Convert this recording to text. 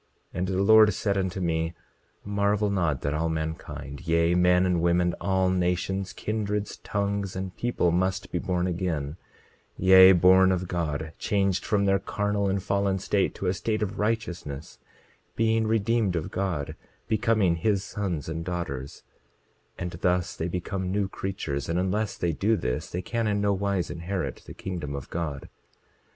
27:25 And the Lord said unto me: Marvel not that all mankind, yea, men and women, all nations, kindreds, tongues and people, must be born again; yea, born of God, changed from their carnal and fallen state, to a state of righteousness, being redeemed of God, becoming his sons and daughters; 27:26 And thus they become new creatures; and unless they do this, they can in nowise inherit the kingdom of God.